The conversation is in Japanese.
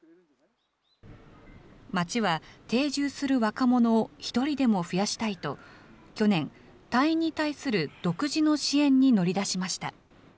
町は、定住する若者を１人でも増やしたいと、去年、隊員に対する独自の支援に乗り出しました。